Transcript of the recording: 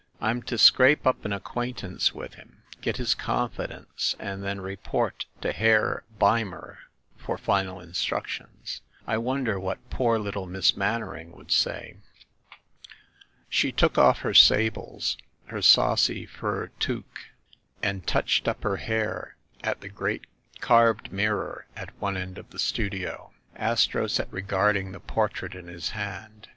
"I'm to scrape up an acquaintance with him, get his confidence, and then report to Herr Beimer for final instructions. I wonder what poor lit tle Miss Mannering would say?" She took off her sables, her saucy fur toque, and touched up her hair at the great carved mirror at one end of the studio. Astro sat regarding the portrait in his hand.